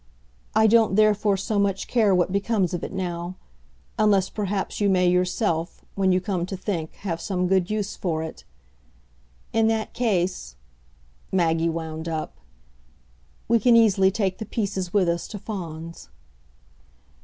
I don't therefore so much care what becomes of it now unless perhaps you may yourself, when you come to think, have some good use for it. In that case," Maggie wound up, "we can easily take the pieces with us to Fawns."